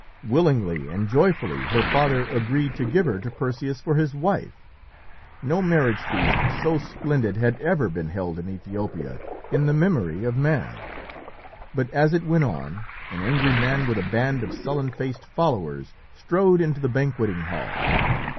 Willingly and joyfully her father agreed to give her to Perseus for his wife. No marriage feast so splendid had ever been held in Ethiopia in the memory of man, but as it went on, an angry man with a band of sullen faced followers strode into the banqueting hall.